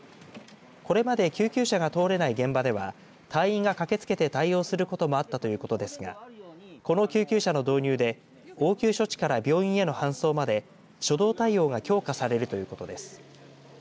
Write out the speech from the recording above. これまで救急車が通れない現場では隊員が駆けつけて対応することもあったということですがこの救急車の導入で応急処置から病院への搬送まで初動対応が強化されるということです。